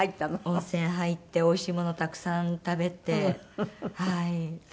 温泉入っておいしいものたくさん食べて楽しい１泊２日の。